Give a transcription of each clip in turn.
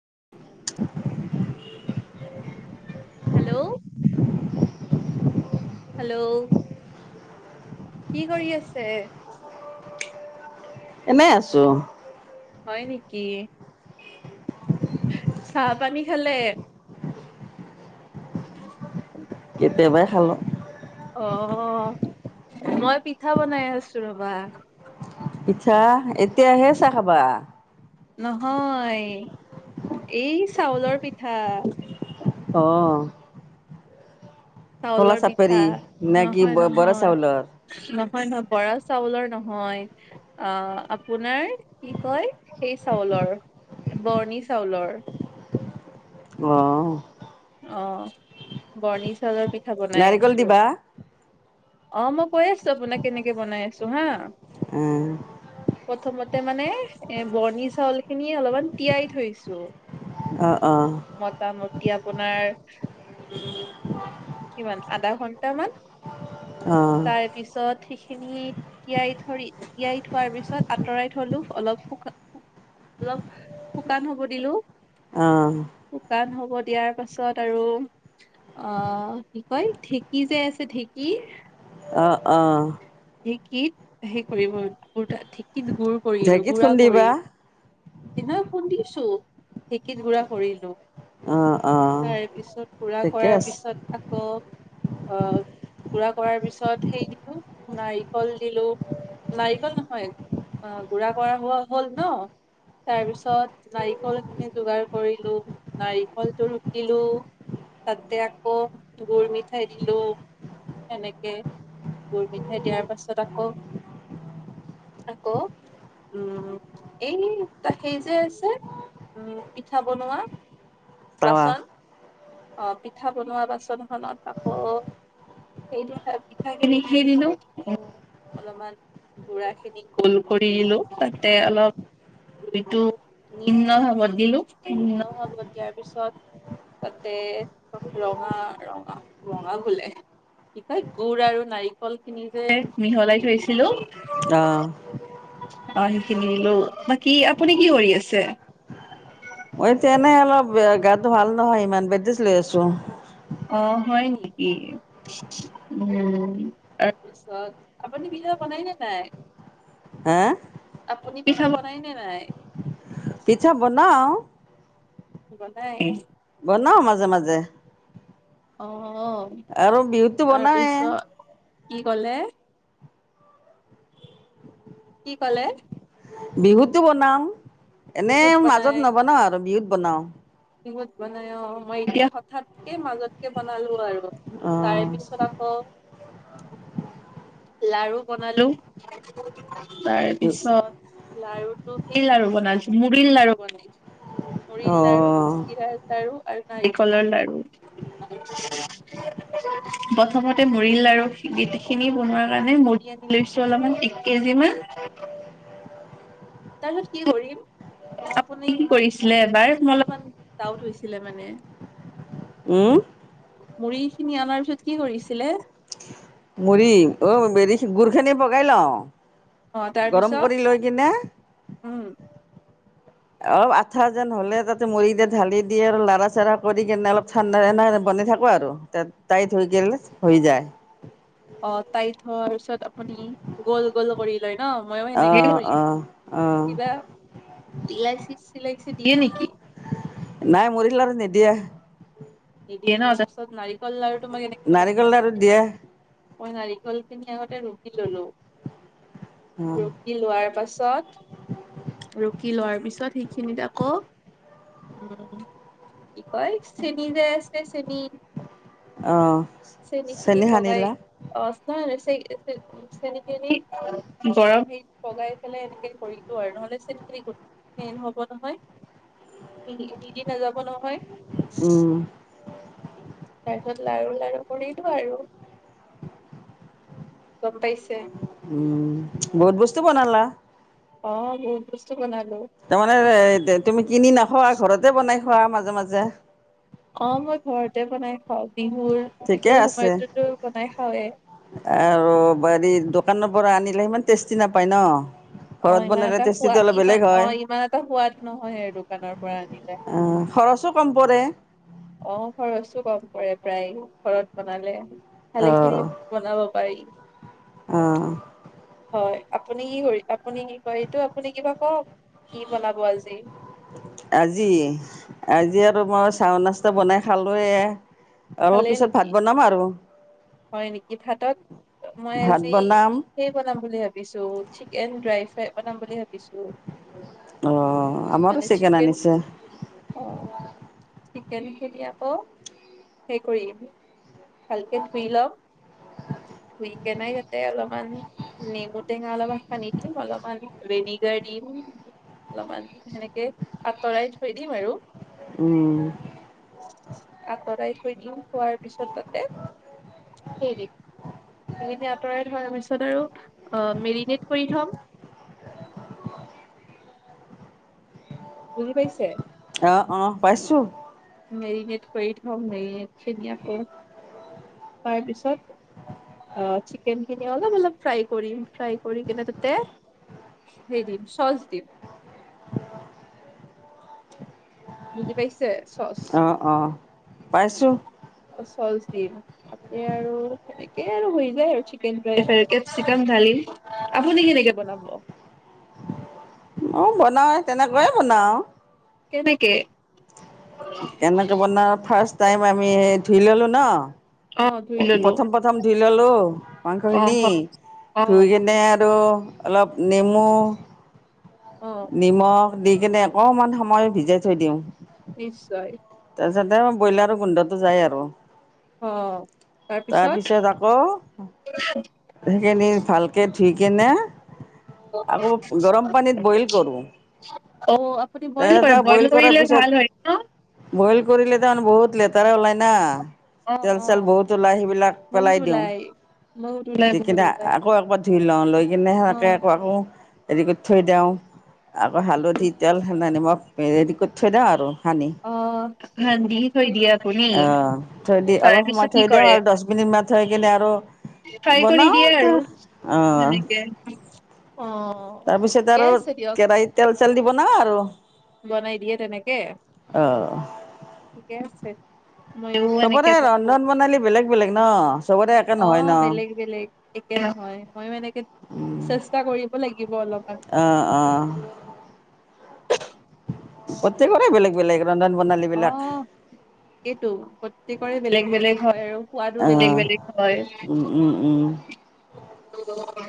[inaudible] Hello, hello, কি কৰি আছে? এনেই আছো। হয় নেকি? চাহ -পানী খালে? কেতিয়াবাই খালো [inaudible] অ, ' মই পিঠা বনাই আছো ৰবা। পিছা এতিয়াহে চাহ খাবা। নহয় এই চাউলৰ- পিঠা, অহ ', চাউলৰ পিঠা নে কি নহয় ', বৰা চাউলৰ -নহয় - নহয় বৰা, চাউলৰ নহয় আহ', আপোনাৰ কি কয় সেই চাউলৰ বৰ্ণি চাউলৰ। অহ ', অ', বৰ্ণি চাউলৰ পিঠ, পিঠা বনাই নাৰিকল আছো ৰ',। দিবা অ ', মই কৈ আছো, আপোনাক কেনেকে বনাই আছো হা, ' আঁ, তাতে মানে এ ', বৰ্ণি চাউল খিনি অলপমান তিয়াই থৈছো, অহ - অহ মোটামুটি আপোনাৰ? উম, ' কিমান আধা ঘন্টামান? অ তাৰ পিছত খিনি তিয়াই থৰি তিয়াই থোৱাৰ পিছত আঁতৰাই থলো অলপ শু অলপ শুকান হব দিলো। অহ শুকান হ'ব দিয়াৰ পাছত আৰু, আহ কি কয় ঢেঁকী যে আছে ঢেঁকী? অঁ-অঁ ঢেঁকীত সেই কৰিব কুৰ ঠিক কি গুড় কৰিলো ঢেঁকীত গু়া কৰি খুন্দিবা সেইদিনা খুন্দিছো ঢেঁকীত গুৰা কৰিলো। অ অ তাৰে পিছত পুৰা ঠিকে কৰাৰ আছে পিছত আকৌ আহ গু়া কৰাৰ পিছত সেই দিলো নাৰিকল দিলো নাৰিকল নহয়, আহ গুড়া কৰা হোৱা হ'ল ন? তাৰপিছত নাৰিকল খিনি যোগাৰ কৰিলো, নাৰিকলটো ৰুকিলো, তাতে আকৌ গুৰ মিঠাই দিলো সনেকে গুৰ মিঠাই দিয়াৰ পাছত আকৌ-আকৌ উম এই ত সেই যে আছে উম পিঠা বনোৱা তাৱা বাচন? আহ পিঠা বনোৱা বাচনখনত আকৌ সেই পিঠাখিনি খি দিলো অলপমান গু়া খিনি গোল কৰি দিলো তাতে অলপ দুইটো নিম্ন ভাৱত দিলো নিম্ন ভাৱত দিয়াৰ পিছত তাতে ৰঙা-ৰঙা, ৰঙা বোলে কিয় গুৰ আৰু নাৰিকল খিনি যে মিহলাই থৈছিলো অ অ সকিনিলো কি আপুনি কি কৰি আছে? ম এতিয়া এনেই অলপ গাটো ভাল নহয় ইমান বেদৃষ্ট লৈ আছো। অ হয় নেকি? উম, তাৰপিছত আপুনি পিঠা বনাই নে নাই? হা আপুনি পিঠা বনাই ন নাই? পিছা বনাও। ব নাই। বনাও মাজে-মাজে অহ আৰু বিহুতটো বনৌয়ে। কি ক'লে? কি ক'লে? বিহুতটো বনাও। এনে বিহুত মাজত বনাই, নবনাও আৰু বিহুত বনাও। বিহুত বানাই অ, মই এতিয়া হঠাৎকে মাজতকে বনালো আৰু অ তাৰে পিছত আকৌ উ লাৰু বনালো তাৰ পিছত লাৰু টো কি লাৰ়ু বনাল মুৰিল লাৰু বনাইচো অ মুৰিল লাৰু, চিিৰাৰ লাৰু আৰু নাৰিকলৰ লাৰু প্ৰথমতে মুৰিল লাৰু গট খিনি বনোৱাৰ কাৰণে মুৰি আনি লৈছো অলপমান এক কেজি মান, তাৰপিছত কি কৰিম? আপুনি কি কৰিছিলে এবাৰ? মোৰ অলপমান ডাউট হৈছিলে মানে। উম? মুড়ি খিনি অনাৰ পিছত কি কৰিছিলে? মুৰিি অেৰি গুৰ খিনি পগাই লওঁ। অ', গৰম তাৰপিছত কৰি লৈ কিনে উম, অ আঠা যেন হলে তাতে মুডৰি দ ঢালি দি আৰু লৰাা চডা কৰি কিনে অলপ ঠাণ্ডা বনি থাকো আৰু াইত হৈ গেলে, হৈ যায়। অ তাইত থোৱাৰ পিছত আপুনি গল-গল কৰি লৈ ন? মইো অ এনেকেই অ কৰিছো। অ কিবা লাইচি চিলাইচি দিয়ে নেকি? নাই মৰিৰ লআৰু নিদিয়ে। নিদিয়ে ন তাৰপিছত নাৰিকল লাৰু নাৰিকল লাৰুত দিয়া মই নাৰিকল খিনি আগতে ৰুকি ল'লো, অ ৰুকি লোৱাৰ পাছত ৰুকি লোৱাৰ পিছত সেইখিনিত আকৌ উম কি কয় চেনি যে আছে চেনি অ চেনী খিনি চেনি পগাই সানিলা অঁ, নহয় নহয় চেই চেনি খিনি গৰম সেই পগাই পেলাই এনেকে কৰি আৰু নহ'লে চেনি খিনি [unintelligible] হ'ব নহয় মিলি মিলি নাযাব নহয়, উম তাৰপিছত লাৰু লাৰু কৰিলো আৰু গম পাইছে। উম, বহুত বস্তু বনালা। অঁ, বহুত বস্তু বনালো তাৰমানে তুমি কিনি নোখোৱা, ঘৰতে বনাই খোৱা মাজে মাজে। অঁ মই ঘৰতে বনাই খাওঁ। ঠিকে বিহুৰ-বিহুৰ আছে সময়তটোতো বনাই খাওৱেই। কানৰ পৰা আনিলে ইমান টেষ্টি নাপায় ন। ঘৰত অঁ ইমান বনালে এটা টেষ্টিটো সোৱাদ অলপ ইমান বেলেগ অ হয় ইমান এটা সোৱাদ নহয় আৰু দোকানৰ পৰা আনিলে। অ' খৰচো কম পৰে। অঁ খৰচো কম পৰে প্ৰায় ঘৰত বনালে। ভালে খিনি বনাব পাই অঁ। হয় আপুনি কি কৰি আপুনি কি কই এইটো আপুনি কিবা কওক কি বনাব আজি। আজি-আজি আৰু মই চাহ নাস্তা বনাই খালোয়ে। খালে অলপ পিছত ভাত নেকি বনাম আৰু। হয় নেকি ভাতত মই ভাত আজি বনাম সেই বনাম বুলি ভাবিছো চিকেন ড্ৰাই ফ্ৰাই বনাম বুলি ভাবিছো। অঁ, আমাৰো চিকেন আনিছে। চিকেন খিনি আকৌ সেই কৰিম, ভালকে ধুই লম ধুই কেনে ইয়াতে অলপমান নেমু টেঙা অলপ মান সানি দিম, অলপমান ভিনেগাৰ দিম অলপমান সেনেকে আঁতৰাই থৈ দিম আৰু। উম। আঁতৰাই থৈ দিওঁ খোৱাৰ পিছত তাতে [unintelligible] সেই এতিয়া আঁতৰাই থোৱাৰ পিছত আৰু মেৰিনেট কৰি থম। বুজি পাইছে। অঁ, অঁ পাইছো। মেৰিনেট কৰি থম মেৰিনেট খিনি আকৌ তাৰপিছত আ চিকেন খিনি অলপ অলপ ফ্ৰাই কৰিম ফ্ৰাই কৰি কিনে তাতে হেৰি দিম চচ দিম। বুজি পাইছে চচ। অঁ অঁ পাইছোঁ। চচ দিম তাতে আৰু সেনেকে আৰু হৈ যায় আৰু চিকেন ড্ৰাই ফ্ৰাই চিকেন ঢালিম, আপুনি কেনেকে বনাব। অঁ বনাওঁ তেনেকৈয়ে বনাওঁ। কেনেকে। কেনেকৈ বনাও ফাৰ্ষ্ট টাইম আমি স ধুই ল'লো অ ধুই ন'। ললো প্ৰথম প্ৰথম দিন পিলালোঁ মাংস অ খিনি অ ধুই কেনে আৰু অলপ নেমু অ নিমখ দি কিনে অকণমান সময় ভিজাই থৈ দিওঁ। নিশ্চয়। তাৰছাতে ব্ৰইলাৰো গোন্ধটো যায় আৰু। অ তাৰপিছত আকৌ সেইখিনি ভালকে ঠিকেনে আকৌ গৰম পানীত বইল কৰোঁ। অ', আপুনি বইল কৰে, তাৰপিছত বইল কৰাৰ কৰিলে পিছত ভাল হয় ন'। বইল কৰিলে তাৰ মানে বহুত লেতেৰা ওলাই না। অ তেল অ চেল বহুত ওলাই, সেইবিলাক বহুত পেলাই দিও, ওলাই বহুত ওলাই দিকে বহুত দা ওলাই আকৌ এক পাত খি ল‌ও লৈ কিনে অ সেনেকে এ আকৌ হেৰি কৰি থৈ দে‌ও আকৌ হালধি তেল সন্ধান নিমখ, এ ৰেডি কৰি থৈয় দিও আৰু সানি। অ দি থৈ দিয়ে আপুনি অ', থৈ দি তাৰে অলপ সময় পিছত কি থৈ দিও কৰে আৰু দশ মিনিট মান থৈ কিনে আৰু ফ্ৰাই কৰি বনাও, দিয়ে আৰু তাৰ অ'। সেনেকে। অ তাৰ পিছত ঠিকে আৰু আছে দিয়ক কেৰাহীত তেল চেল দি বন নাও আৰু। বনাই দিয়ে তেনেকে, অঁ ঠিকে আছে। ময়ো এনেকে চবৰে বনাব, ৰন্ধন প্ৰণালী বেলেগ বেলেগ ন চবৰে একে নহয় অ', ন বেলেগ বেলেগ একে নহয় ময়ো এনেকে, চেষ্টা কৰিব লাগি অ', অ'। প্ৰত্যেকৰে বেলেগ বেলেগ ৰন্ধন প্ৰণালী বিলাক অ', এইটো প্ৰত্যেকৰে বেলেগ বেলেগ হয় আৰু সোৱাদো বেলেগ আহ বেলেগ হয়। উম উম উম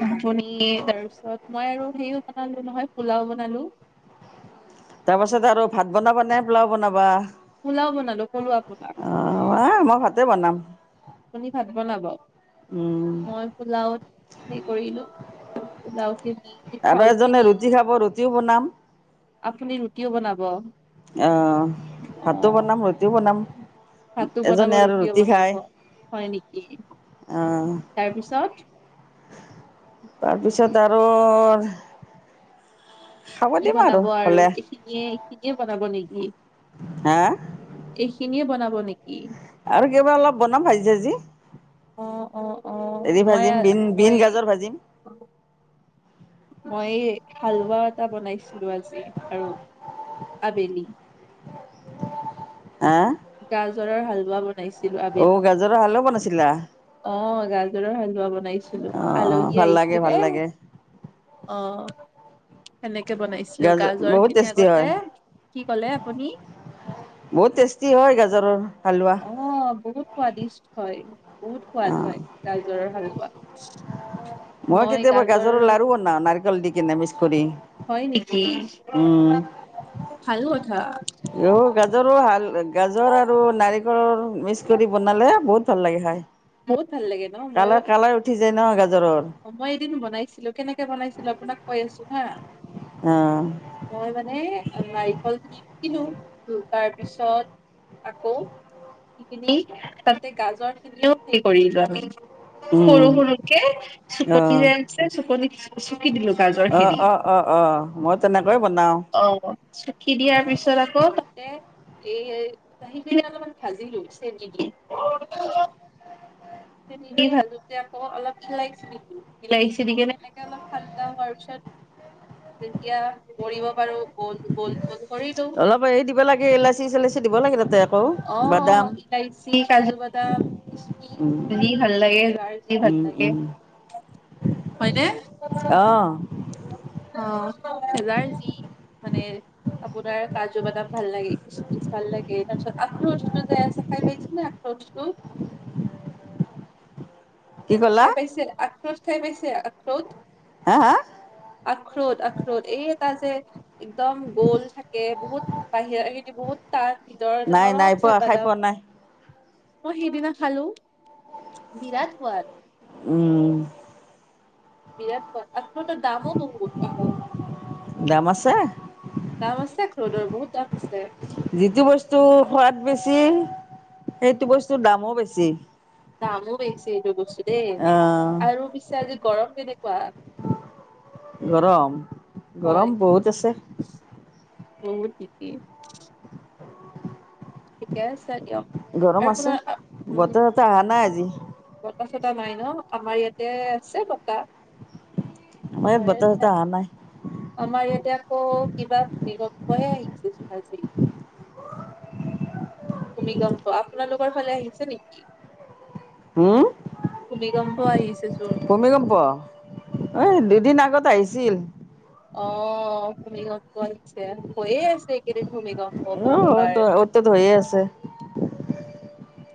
আপুনি, তাৰ পিছত মই আৰু হেৰিও বনালো নহয়, পোলাও বনালো। তাৰ পাছত আৰু ভাত বনাবা নে পোলাও বনাবা। পোলাও বনালো কলুৱা পোলাও। অ আহ মই ভাতে বনাম আপুনি ভাত বনাব। উম মই পোলাও সেই কৰিলো পোলাও খিনি আৰু চাউল এজনে খিনি ৰুটি খাব, ৰুটিও বনাম। আপুনি ৰুটিও বনাব। অ', ভাতো বনাম, ৰুটিও বনাম। ভাতো বনাব, এজনে আৰু ৰুটিও ৰুটি খায় বনাব হয় নেকি। আহ তাৰপিছত। অৰ কি বনাব আৰু হ'লে এইখিনিয়ে-এইখিনিয়ে বনাব নেকি। হা এইখিনিয়ে বনাব। হয় নেক আৰু কিবা অলপ বনাম ভাজি-চাজি, অ অ অ হেৰি মই ভাজিম মই বীন-বীন, গাজৰ ভাজিম। মই হালোৱা এটা বনাইছিলোঁ আজি আৰু আবেলি আ। [unintelligible] হালৱা বনাইছে। আবেলি হালো বনাইছিলা অ, গাজৰৰ হালৱা বনাইছিলো। অঁ অঁ আলহী ভাল লাগে ভাল আহিছিলএহ লাগে অ। [unintelligible] বনাইছিলো গাজৰ বহুত খিনি টেষ্টি হয় আগতেহ কি ক'লে আপুনি? বহুত টষ্টি হয়। গাজ জৰৰ। অ, বহুত। সুৱাদিষ্ট হয়। বহুত সোৱাদ অঁ হয়। গাইজৰৰ হাল [unintelligible] মই কেতিয়াবা গাজৰৰ লাৰু বনাওঁ। নাৰিকল দি কিনে মিক্স কৰি। হয় নেকি? উম, ভাল কথা ঔ গাজৰৰ হাল গাজৰ আৰু নাৰি [unintelligible] মিক্স কৰি বনালে বহুত ভাল লাগে খায়। বহুত ভাল লাগে ন মইঅ [unintelligible] মই এদিন বনাইছিলো। কেনেকে বনাইছিলো আপোনাক কৈ আছো। হা অঁ মই মানে নাৰিকল। কিনো উম, তাৰ পিছত আকৌ কিনি তাতে গাজৰ খিনিও [unintelligible] কৰি যোৱা তুমি। উম সৰু সৰু কে। চুকনি অঁ যে আছে। চুকনিত চুকি দিলো গাজৰ খিনি। অঁ অঁ অঁ অঁ মই তেনেকৈ বনাওঁ অ, চুকি দিয়াৰ পিছত আকৌ তাতে। এই, হেই তাই সেইখিনি অলপমান ভাজিলো চেনী দি? চেনী দি ভাজোতে আকৌ অলপ ইলাইচি দিলোঁ। ইলাইচি দি কিনে এনেকে অলপ ঠাণ্ডা হোৱা পাছত যেতিয়া কৰিব পাৰো। গল- গল। গ'ল কৰিলো অলপ এই দিব লাগে ইলাচি- চিলাচি দিব লাগে তাতে। আকৌ অহ বাদাম ', ইলাইচি, কাজু -বাদাম, কিচমিচ দি ভাল লাগে যাৰ যি ভাল লাগে হয়নে? অঁ অঃ যাৰ যি, মানে আপোনাৰ কাজু- বাদাম ভাল লাগে, কিচমিচ ভাল লাগে, তাৰপিছত? আখৰোটটো যে আছে, খাই পাইছেনে আখৰোটটো? কি ক'লা খাই পাইছিল? আক, ফ্ৰুটচ খাই পাইছে? আখৰৌট? হা হা আখৰৌট, আখৰৌট এই এটা যে, ইকদম গৌল থাকে। বহুত বাহিৰা খিনি বহুত টান ভিতৰত নাই নৰম নাই চে পোৱা খাই বাদাম। পোৱা নাই মই সেইদিনা খালোঁ। বিৰাট সুৱাদ। উম', বিৰাট সোৱাদ। আখৰোটৰ দামো বহুত আকৌ। দাম আছে দাম আছে আখৰোটৰ বহুত দাম আছে। যিটো বস্তুৰ সোৱাদ বেছি, সেইটো বস্তুৰ দামো বেছি। দামো বেছি এইটো বস্তু। দেই আহ আৰু পিছে আজি গৰম কেনেকুৱা? গৰম গৰম হয়, বহুত আছে বহুত ঠিকেই। ঠিকে আছে দিয়ক। আৰু গৰম আছে আপোনাৰ আ- উম বতাহ - ততাহ আহা নাই আজি। বতাহ -চতা নাই ন', আমাৰ ইয়াতে আছে বতাহ। আমাৰ ইয়াত বতাহ চতাহ অহা নাই আমাৰ ইয়াতে আকৌ কিবা বি, [unintelligible] ভূমিকম্প আপোনালোকৰ ফালে আহিছে নেকি? হম ভূমিকম্প, হোৱা আহিছে চো, ভূমিকম্প, ঐ', দুদিন আগ, গত আহিছিল। অ', ভূমিকম্প আহিছে হৈয়ে আছে এইকেইদিন ভূমি, অহ ', ত ', অত- টত হৈয়ে আছে।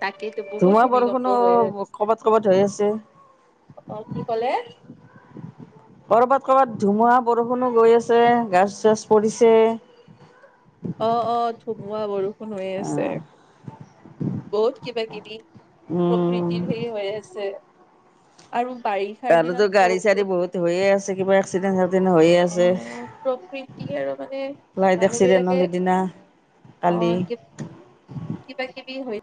তাকেইতো বহুত ধোমা ভূমিকম্প বৰষুণো হৈ আছে। কবাত- কবাত হৈ আছে। অ', কি ক'লে? কৰবাত -কৰবাত ধুমুহা বৰষুণো গৈ আছে, গাছ-চাচ পৰিছে। অহ ', - অহ ', থো, [unintelligible] হৈ আছে বহুত কিবা- কিবি। দিং, প্ৰকৃতিৰ উম সেই হৈ আছে। আৰু বাৰিষাৰ দিনত [unintelligible] প্ৰ গাড়ী-চাড়ী বহুত হৈয়ে আছে। কিবা এক্সিডেণ্টত আহ, প্ৰকৃতি আৰু মানে ফ্লাইট মানুহ এক্সিডেণ্ট হ'ল বিলাকে সিদিনা কালি আহ কিবা-কিবি হৈ